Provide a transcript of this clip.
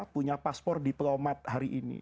punya paspor diplomat hari ini